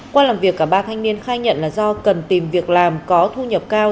qua làm việc cả ba thanh niên khai nhận là do cần tìm việc làm có thu nhập cao